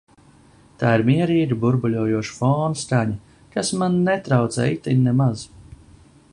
Tā ir mierīga, burbuļojoša fona skaņa, kas man netraucē itin nemaz.